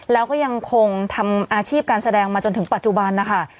แล้วก็ยังคงทำอาชีพการแสดงมาจนถึงปัจจุบันนะคะ